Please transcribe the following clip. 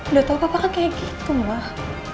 udah tau papa kan kayak gitu mbah